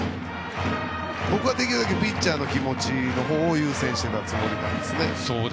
僕はできるだけのピッチャーの気持ちの方を優先していたつもりです。